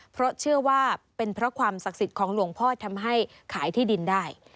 เพราะเชื่อว่าเป็นเพราะความศักดิ์สิทธิ์ของหลวงพ่อทำให้ขายที่ดินได้